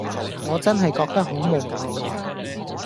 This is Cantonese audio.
我真係覺得好無奈